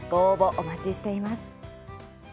お待ちしています。